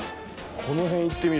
この辺いってみる？